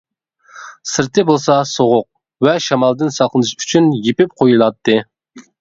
سىرتى بولسا سوغۇق ۋە شامالدىن ساقلىنىش ئۈچۈن يېپىپ قويۇلاتتى.